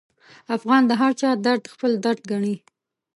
افغان د هرچا درد خپل درد ګڼي.